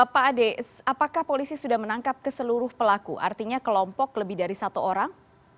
pak ade apakah polisi sudah menangkap keseluruh pelaku artinya kelompok lebih dari satu orang